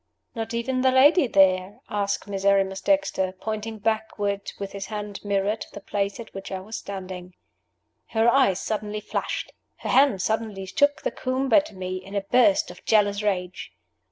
"Not even the lady there?" asked Miserrimus Dexter, pointing backward with his hand mirror to the place at which I was standing. Her eyes suddenly flashed, her hand suddenly shook the comb at me, in a burst of jealous rage.